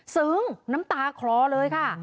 ซึ้งน้ำตาคล้อเลยค่ะ